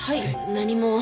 何も。